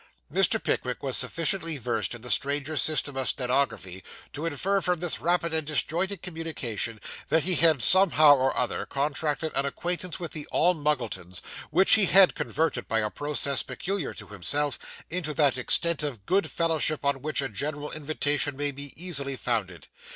Mr. Pickwick was sufficiently versed in the stranger's system of stenography to infer from this rapid and disjointed communication that he had, somehow or other, contracted an acquaintance with the All Muggletons, which he had converted, by a process peculiar to himself, into that extent of good fellowship on which a general invitation may be easily founded.